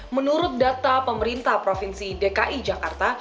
menurut data pemerintah provinsi dki jakarta